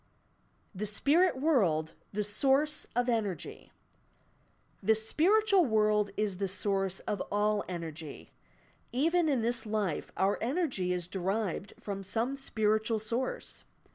THE spmrr world the source op energy The spiritual world is the source of all energy. Even in this life our energy is derived from some spiritual source.